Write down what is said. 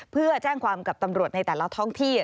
เพื่อแจ้งความกับตำรวจในแต่ละท้องที่